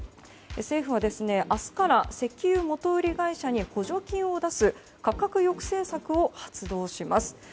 政府は明日から石油元売り会社に補助金を出す価格抑制策を発動します。